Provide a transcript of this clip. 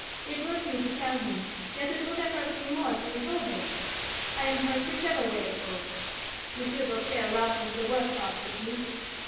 It hurt me to tell him, yet it would have hurt me more to withhold them. I am hurt whichever way it goes. Monsieur Doltaire rouses the worst parts of me.